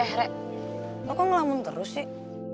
eh rek lo kok ngelamun terus sih